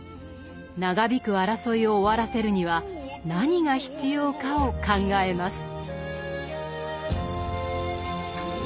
長引く争いを終わらせるには何が必要かを考えます。